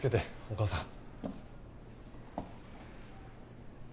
お母さん？